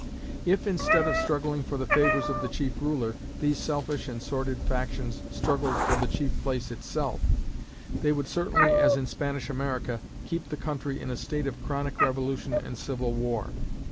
If, instead of struggling for the favors of the chief ruler, these selfish and sordid factions struggled for the chief place itself, they would certainly, as in Spanish America, keep the country in a state of chronic revolution and civil war.